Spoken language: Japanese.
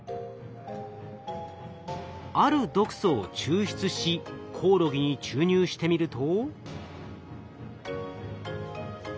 ある毒素を抽出しコオロギに注入してみると。